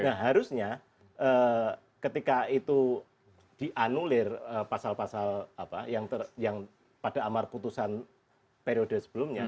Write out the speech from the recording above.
nah harusnya ketika itu dianulir pasal pasal yang pada amar putusan periode sebelumnya